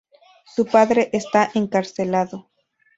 Su padre está encarcelado.